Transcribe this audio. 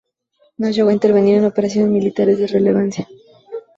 No llegó a intervenir en operaciones militares de relevancia.